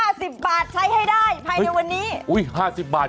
สิบบาทใช้ให้ได้ภายในวันนี้อุ้ยห้าสิบบาท